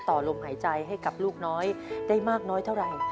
ต่อลมหายใจให้กับลูกน้อยได้มากน้อยเท่าไหร่